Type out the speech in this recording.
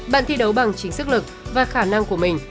bạn thi đấu bằng chính sức lực và khả năng của mình